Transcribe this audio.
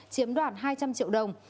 chiếm đoạt hai trăm linh triệu đồng